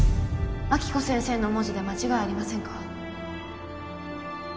暁子先生の文字で間違いありませんか？